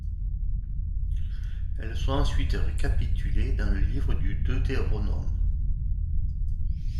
Elles sont ensuite récapitulées dans le livre du Deutéronome.